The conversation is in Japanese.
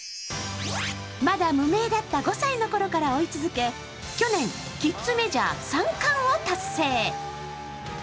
まだ無名だった５歳のころから追い続け去年、キッズメジャー３冠を達成。